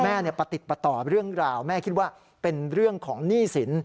ประติดประต่อเรื่องราวแม่คิดว่าเป็นเรื่องของหนี้สิน